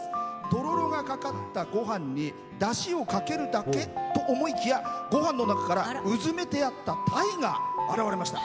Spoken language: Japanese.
とろろがかかった、ごはんにだしをかけるだけと思いきやごはんの中から、うずめてあったたいが現れました。